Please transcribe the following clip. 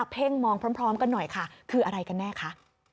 เพ่งมองพร้อมกันหน่อยค่ะคืออะไรกันแน่คะ